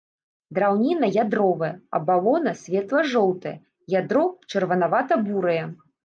Драўніна ядровая, абалона светла-жоўтая, ядро чырванавата-бурае.